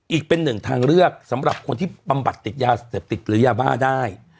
อีกเป็นหนึ่งทางเลือกสำหรับคนที่บำบัดติดยาเสพติดหรือยาบ้าได้